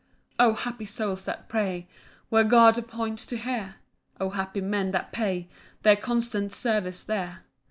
3 O happy souls that pray Where God appoints to hear! O happy men that pay Their constant service there!